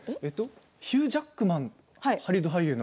ヒュー・ジャックマンハリウッド俳優の。